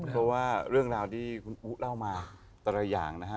เพราะว่าเรื่องราวที่คุณอุ๊เล่ามาแต่ละอย่างนะฮะ